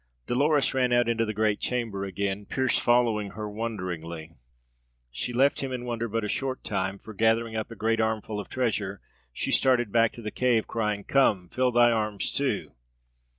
Dolores ran out into the great chamber again, Pearse following her wonderingly. She left him in wonder but a short time; for, gathering up a great armful of treasure she started back to the cave, crying: "Come, fill thy arms, too."